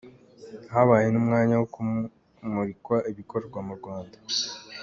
Habaye n’umwanya wo kumurikwa ibikorerwa mu Rwanda.